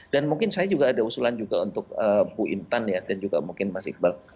dan mungkin saya juga ada usulan juga untuk bu intan ya dan juga mungkin mas iqbal